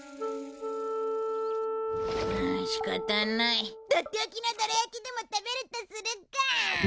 仕方ないとっておきのドラ焼きでも食べるとするか！